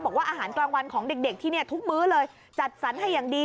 บอกว่าอาหารกลางวันของเด็กที่นี่ทุกมื้อเลยจัดสรรให้อย่างดี